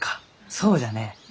そうじゃね。